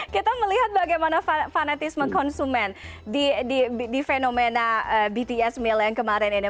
kita melihat bagaimana fanatisme konsumen di fenomena bts meal yang kemarin ini